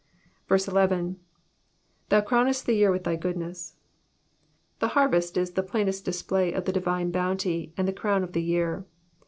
11. ^^Thou crownest the year with thy goodness,''^ The harvest is the plainest display of the divine bounty, and the crown of the year.